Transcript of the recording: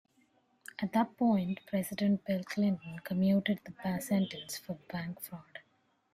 At that point, President Bill Clinton commuted the sentence for bank fraud.